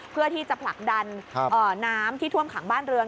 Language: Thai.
เพื่อที่จะผลักดันน้ำที่ท่วมขังบ้านเรือง